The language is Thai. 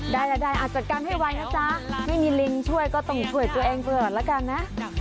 ได้อาจจัดการให้ไวนะจ๊ะไม่มีลิงช่วยก็ต้องช่วยตัวเองก่อนแล้วกันนะ